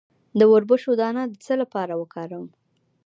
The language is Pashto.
د وربشو دانه د څه لپاره وکاروم؟